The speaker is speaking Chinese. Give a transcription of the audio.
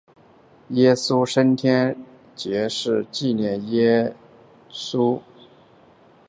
耶稣升天节是纪念基督耶稣在复活四十日后升天一事。